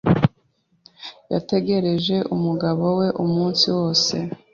Yategereje umugabo we umunsi wose.